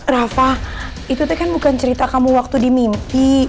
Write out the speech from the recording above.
rafa itu tuh kan bukan cerita kamu waktu di mimpi